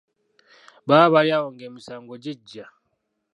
Baba bali awo ng'emisango gijja.